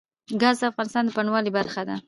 ګاز د افغانستان د بڼوالۍ برخه ده.